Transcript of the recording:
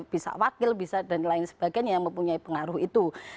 bisa wakil bisa dan lain sebagainya yang mempunyai pengaruh itu